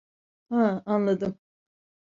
Ha, anladım.